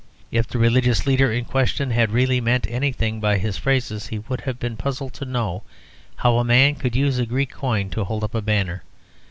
If the religious leader in question had really meant anything by his phrases, he would have been puzzled to know how a man could use a Greek coin to hold up a banner.